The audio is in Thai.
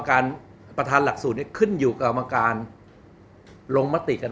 กรรมการหลักศูนย์เนี่ยครับหลักศูนย์เดียวกัน